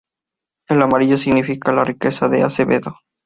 El Amarillo significa la riqueza de Acevedo.